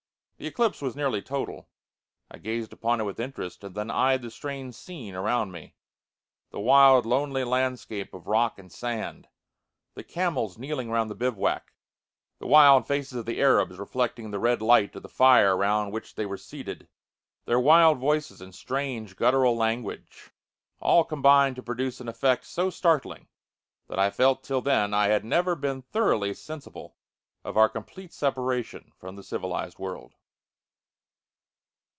The eclipse was nearly total. I gazed upon it with interest, and then eyed the strange scene around me. The wild, lonely landscape of rock and sand the camels kneeling round the bivouac the wild faces of the Arabs, reflecting the red light of the fire round which they were seated their wild voices and strange guttural language, all combined to produce an effect so startling, that I felt till then I had never been thoroughly sensible of our complete separation from the civilized world.